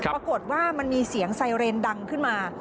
ปรากฏว่ามันมีเสียงไซเรนดังขึ้นมา